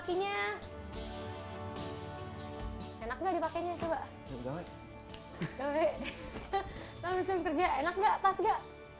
kamu bisa bekerja enak tidak pas tidak